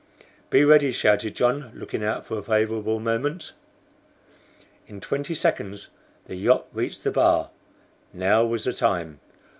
"Be ready!" shouted John, looking out for a favorable moment. In twenty seconds the yacht reached the bar. Now was the time.